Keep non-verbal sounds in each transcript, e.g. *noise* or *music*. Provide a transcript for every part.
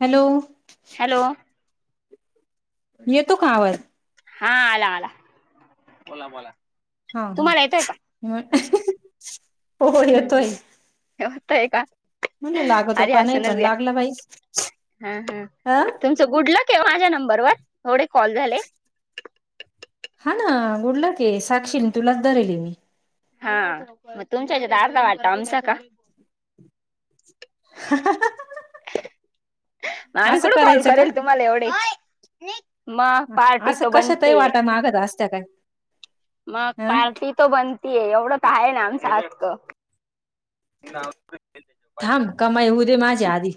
Hello, hello, येतो का आवाज? हा, आला आला, बोला बोला. हा हा, हो हम्म येतोय. होतय का. म्हणलं लागतो अरे का नाही अससूनच पण घ्या,, लागला बाई हा हा, अ तुमऽ च गुडलक आहे माझ्या नंबर वर,, ऐवडे कॉल झाले. हा ना, गुडलाकय, साक्षी तुलाच धरलीय मी. हा,, मग तुमच्या हच्यात अर्धा वाटा आमचा का? हहह आमी असं कुठं कॉल करायचं का करेल तुम्हाला एवढे,, म पार्टी असं त कशातही बनतेय. वाटा मागत असत्या काय? मग, अ पार्टी त बनतीय, एवढं तर आहे ना आमचं हककं थांब,, कमाई येवऊ दे माझी आधी.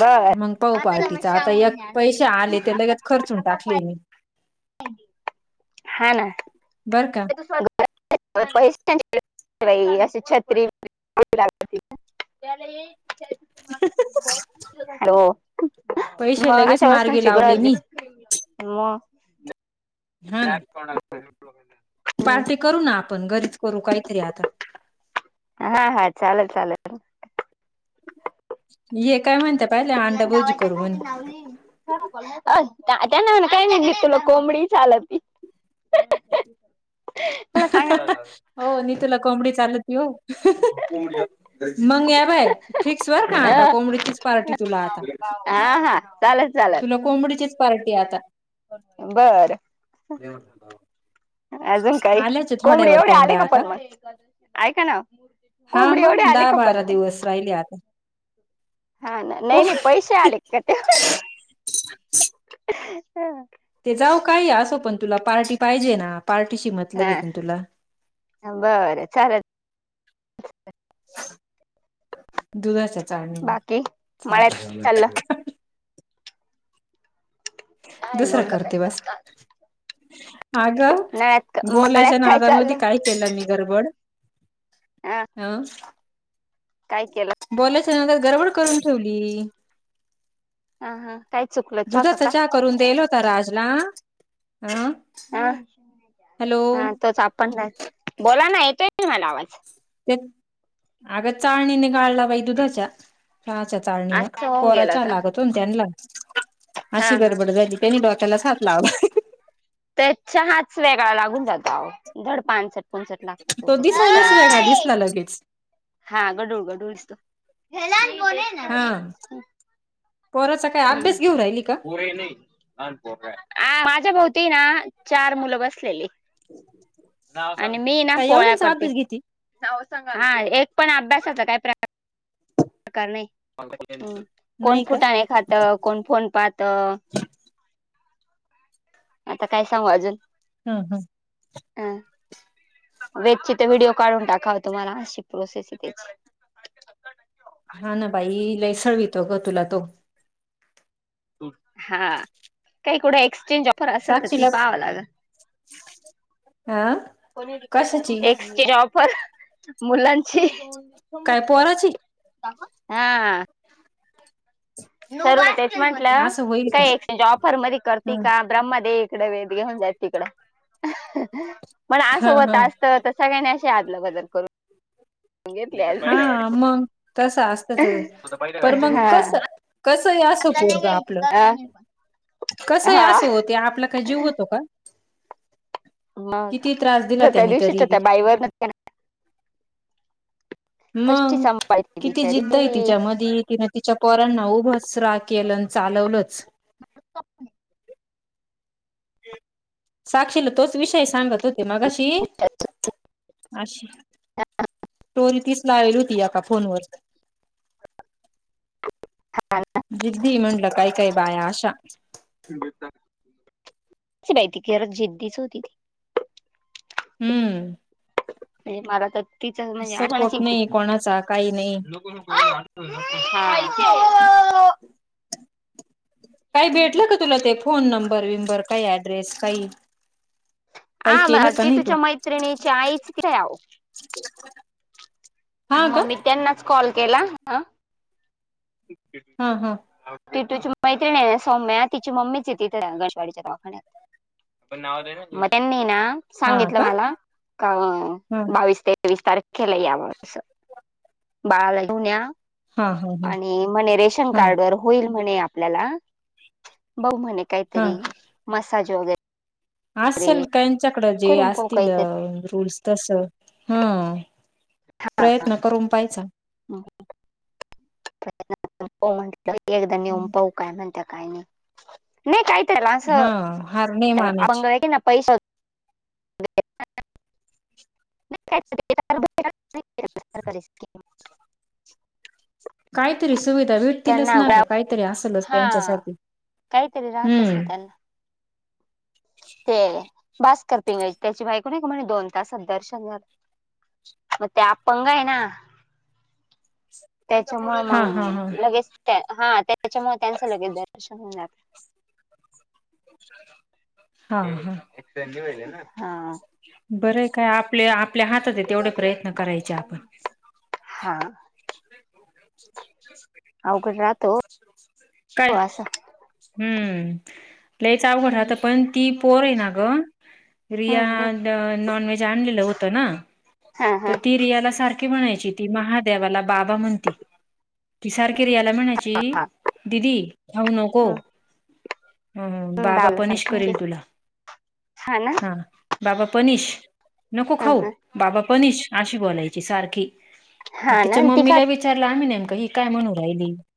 बर मग पाऊ पार्टीचा, आता एक पैसे आले ते लगेत खर्चून टाकले मी. हा ना. बर का. पैसे बाई,, अस छत्रीऽ उ हो,, पैसे मग लगेच अशा मार्गी वस्तूची लावले गरज मी आहे. मऽ हा,, ना, पार्टी करू ना आपण, घरीच करू, काहीतरी आता. हा हा,, चालेल चालेल. ये काय म्हणत्या पहिले अंडाभुरजी करू म्हणे त्यांना काय नाही तुला कोंबडी चालत नाही *unintelligible* हो नी तुला कोबडी चालत नी हो मंग या बाय,, फिक्स बर का अ आता,, कोंबडीचीच पार्टी तुला आता. हा हा,, चालेल चालेल. तुला कोबडीचीच पार्टी आता. बर. अजून काही,, आल्याच कोंबडी थोड्यावर एवढे आले कोंबड्या का आता पण मग,, ऐ का ना. कोंबडी एवड आले का पण म. राहिली आता हा ना नाही कोंब नाही पैसे आले का ते ते जाऊ काय असो पण तुला पार्टी पाहिजे ना पार्टीशी मतलब हा आहेेत तुला बरं चालल दुधाच्या बाकी चहा मळ्यात दुसरा करते बस चाललं अग नळ्यात बोलायच्या मळ्यात काय नादामध्ये चाललं काही केला मी गरबड हा ह काय केलं? बोलायच्या नादाला गरबड करून ठेवली. हा हा काय चुकलं का दुधाचा काय चहा करून देयल होता राजला, अं हा हा तोच आपण *unintelligible* बोला ना येतोय की मला आवाज ते अगं चाळणीने गाडला बाई दुधाच्या चहा चाळणीनं असं होऊन कोरा गेलं चहा का लागतो ना त्यांला हा अशी हा गडबड झाली त्यांनी डोक्यालाच हात लावला त्याच चहाच वेगळा लागून जातो आवो धड पांचट पांचट लागतो तो दिसायलाच वेगळा दिसला *unintelligible* *inaudible* लगेच हा गडूळ गडूळच दिसतो *inaudible* हा *unintelligible* पोराचा काय अभ्यास घेऊ राहिली का? पुरे नायी *inaudible* माझ्या भोवती ना चार मुलं बसलेले आणि मी ना काय पोळ्या एवढ्यांचा करते अभ्यास घेती हा एक पण अभ्यासाच काय प्रकार प्रकार नाही. कोण नाही का फुटाणे खातं कोण फोन पाहातं आता काय सांगू अजून हम्म हम्म वेदचे तर व्हिडिओ काढून टाकावा तुम्हाला अशी प्रोसेस त्याची हा ना बाई लैय सळीतो गं बाई तुला तो हा काही कुठं एक्सचेंज ऑफर असंल तर ती साक्षीला पाहवं लागलं अ कशाची *unintelligible* एक्संचेज ऑफर मुलांची काय पोराची हा सरू तेच म्हंटलं असं होईल का काही एक्स्चेंज ऑफर मध्ये ह करतील का? ब्रह्मदे इकडे वेद घेऊन जाय तिकडं पण असं ह होतं ह आस तर सगळ्यांनी अशी आदला बदल करून घेतली हा असती मग तस अस त तर पर मग हा कस कसही असो आता नाही पोरगं घ्यायची अ. आपलं जाऊन घे पण. कसंही हा असो ते आपला काय जीव होतो का? मग किती त्रास दिला त्या त्यानी दिवशीच तरी बी त्या बाईवरनं कशी मग सांभाळते किती बिचारी जिद्दय कशी तिच्यामधी तिन तिच्या पोरांना उभचं रा केलंन चालवलंच प *inaudible* साक्षीला तोच विषय सांगत होते मगशी अशी स्टोरी तीच लावेल होती. याका फोनवर *unintelligible* हा न जिद्दीय म्हंटलं काय काय बाया अशा ती बाई खरं जिद्दीच होती ती हम्म म्हणजे मला तर तिच म्हणजे आठवणच सपोर्ट येती नाही कोणाचा काही नाही *inaudible* हा काही भेटलं का तुला ते फोन नंबर विंबर काही ॲड्रेस काही? काही केलं हा का नाही टीटूच्या मैत्रीणीची आईचय आवो *inaudible* तिला बोलाव मग मी त्यांनाच कॉल केला अ हा हा टिटूची मैत्रिणय ना सौम्या तिची मम्मीचय तिथं गणेशवाडीच्या दवाखान्यात *inaudible* मग त्यांनीय ना हा सांगितलं का मला का हा बावीस, तेवीस तारखेला या म्हणून बाळाला घेऊन हा हा हा आणि म्हणे रेशन हा कार्ड वर होईल म्हणे आपल्याला, बग म्हणे हा काहीतरी मसाज वगे असेल त्यांच्याकडं जे करून पाहू असतील काहीतरी रूल्स तस हा हां प्रयत्न करून पाहायचा ह म्हण एकदा निम पाऊ काय म्हणते काही नाही मी काही त्याला आसं हा हार नाही अ मानायची आभंग आये की नाई पैसा नाही काहीतरी सुविधा विटतीलच त्यांना ना ग गोळ्या काहीतरी अस हा काहीतरी राहतच ना हम्म त्याला ते भास्कर पिंगायची त्याची बायक नाही आहे का म्हणजे दोन तासात दर्शन झालं म ते अपंग आहे ना त्याच्यामुळे हा हा हा मग लगेच हा त्याच्यामुळे त्यांचं लगेच दर्शन होणार *unintelligible* म्हणे हा एस वहिले ना बरं आये का आपले आपले हात होते तेवढे प्रयत्न करायचे आपण. हा *unintelligible* अवघड राहतो काय हो असं हम्म लच अवघड हम्म राहात पण *unintelligible* ती पोर आहे ना ग रिया हम्म नॉन व्हेज आणलेलं होतं ना हा हा तर ती *unintelligible* रियाला सारखे म्हणायची ती महादेवाला बाबा म्हणती ती सारखी रियाला म्हणायची *unintelligible* जी दीदी खाऊ नको हम्म हम्म बाबा बाबाला पनिश सांगते करेल तुला *unintelligible* हा बाबा पनिश नको हा खाऊ, हा बाबा पनिश अशी बोलायची सारखी. हा मग ना तिच्या ती खात मम्मीला विचारलं आम्ही नेमका ही काय म्हणू राहिली *unintelligible*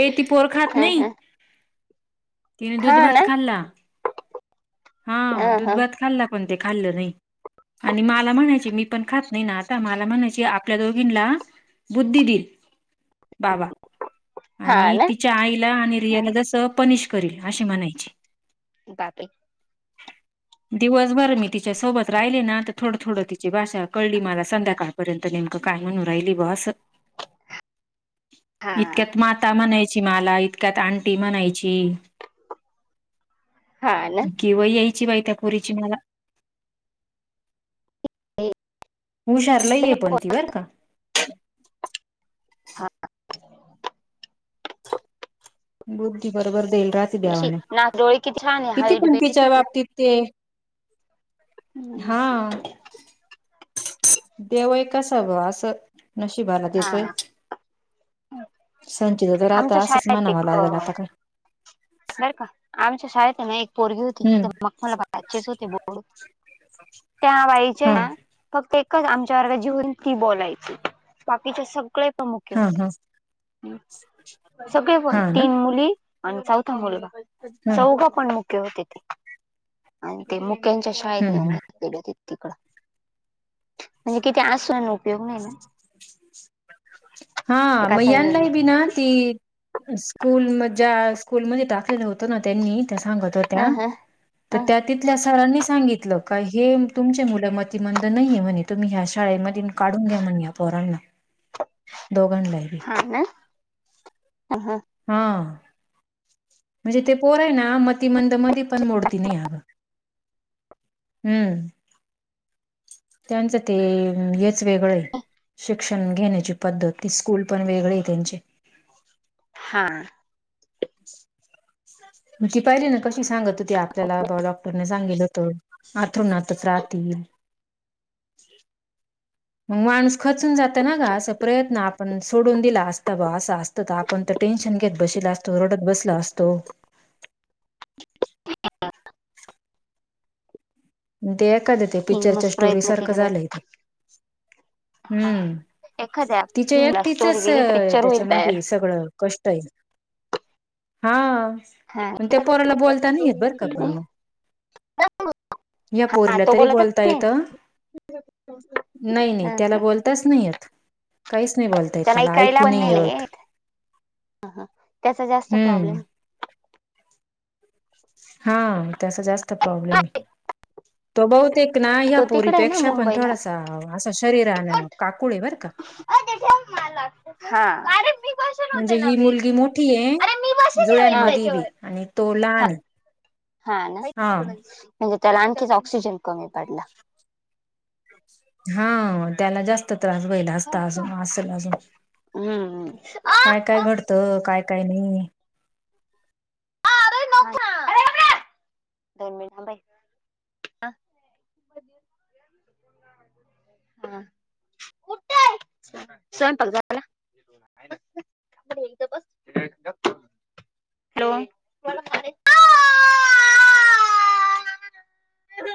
ए ती पोरखात हा नाही हा तिन हा दुध भात ना खाल्ला हा दुध भात खाल्ला *unintelligible* पण ते खाल्लं नाही आणि मला म्हणायची मी पण खात नाही ना आता मला म्हणायची आपल्या दोघींना बुद्धिडील बाबा हा आणि ना तिच्या आईला आणि हा. रियाला जस पनिश करील अशी म्हणायची बापे *unintelligible* दिवसभर मी तिच्यासोबत राहिले ना तर थोडं थोडं तिची भाषा कळली मला संध्याकाढते *unintelligible* पर्यंत नेमकं काय म्हणून राहिली बस *unintelligible* हा इतक्यात माता म्हणायची मला इतक्यात आणंटी म्हणायची हा ना किंवा यायची बाहि त्या पोरीची मला हुशार लई ये पण ती बर का हा बुद्धी बरोबर देईल राहते अशी देवाने नाक डोळे किती छान आहे किती हाईट बी किती कोंतीच्या ती बाबतीत *unintelligible* ते हम्म. हा देवय कस ब असं नशिबाला हा दिसय *unintelligible* संचचा तर आमच्या आता असंच शाळेत म्हनावं एक लागेल आता काय बर का आमच्या शाळेत ना एक पोरगी होती हम्म म्हे मग मला भाचेच होते बोड *unintelligible* हा फक्त एकच आमच्या वर्ग जी हुती ती बोलायची बाकीचे सगळे प्रमुखे हा होते हा. सगळे बोल हा ना तीन मुली आणि चौथा मुलगा ह चौघ- पण मुके होते, ते आणि ते मुक्यांच्या शाळेत ने हम्म होत *unintelligible* तिकडं म्हणजे किती आसुन उपयोग नाही ना? हा म एकाचा हे यानला नाही बी ना ती स्कूल म ज्या स्कूलमध्ये टाकलेलं होतं ना, त्यांनी त्या सांगत होत्या, अ ह तर त्या तिथल्या सरांनी सांगितलं का, हे तुमचे मुलं मती मंद नाहीेये म्हणे. तुम्ही ह्या शाळे मधून काढून घ्या म्हणले या पोरांना. दोघांना ही. हा ना ह ह. हा. म्हणजे ते पोर आहे, ना मती मंद मध्ये पण मोडती नाही अगं. हम्म! त्यांच ते हेच वेगळं ये शिक्षण घेण्याची पद्धत, ते स्कूल पण वेगळे आहे त्यांचे. हा. म्ह ती पाहिली ना कशी सांगत होती, आपल्याला डॉक्टर न सांगेल होत आथरुणातचं राहतील. मग माणूस खचून जात ना ग असं प्रयत्न आपण सोडून दिला असता बा असा असत आपण तर टेन्शन घेत बशीला असतो, रडत बसलो असतो. ते का ते ते तिने पिक्चरच्या मस्त स्टोरी प्रयत्न सारखं केले बाई झालंय ते. हम्म! एखाद्या तिच फिल्मला स्टोरी गेली तर एकटीचचं पिक्चर होईल त्याच्या तयार मागे सगळं कष्ट आहेत, हा हा त्या पोराला बोलता नाहीे येत, बरं का पण मग. *inaudible* या हा पोरीला तो तरी बोलतच बोलता नाही येत, ना नाही नाही हा त्याला हा बोल ताच नाही येत काहीच नाही बोलतायेत, त्याला ऐकू नाही येत. ह हा तसा जास्त हम्म प्रॉब्लेम हा, तसा जास्त प्रॉब्लेम ये, तो बहुतेक ना ह्या तो तिकडे आहे ना पोरीपेक्षा पण मुंबईला थोडासा असं शरीरान काकुळे बरं का? अ ते ठेव मला कारी हा. मी क्वेश्चन म्हणजे होते ही नव्हे मुलगी मोठी ये, अरे मी बसेल आहे हा. बाई जुळ्यांमध्ये बी त्याच्यावर आणि तो लहान हा आहे. हा ना हा म्हणजे, त्याला आणखीच ऑक्सिजन कमी पडला. हा त्याला जास्त त्रास वयला असता अजून असल अजून हम्म आ, काय काय आ, घड? त काय काय नाही? अरे नव्हता, अरे गप रे दोन मिनट बाई! कुठ य, स्वयंपाक झाला? बरं, इथं बस हॅलो मला मारायचं. आ!